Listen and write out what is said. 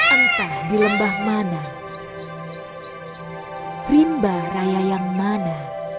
entah di lembah mana rimba raya yang mana